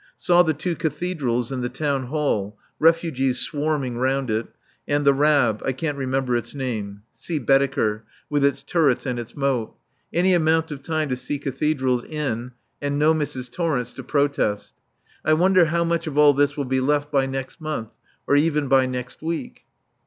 Saw the two Cathedrals and the Town Hall refugees swarming round it and the Rab I can't remember its name: see Baedeker with its turrets and its moat. Any amount of time to see cathedrals in and no Mrs. Torrence to protest. I wonder how much of all this will be left by next month, or even by next week?